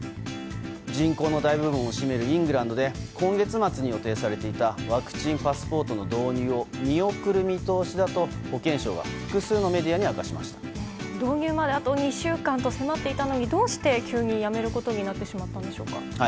人口の大部分を占めるイングランドで今月末に予定されていたワクチンパスポートの導入を見送る見通しだと保健相が複数のメディアに導入まであと２週間と迫っていたのにどうして急にやめることになってしまったんでしょうか。